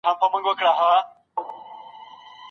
د باثباته دولت جوړول ګران کار دی.